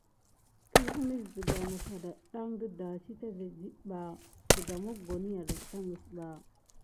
Kine siga mis suke aɗaska vin mis darkiwune kankure kisérè kiné bay wukemti.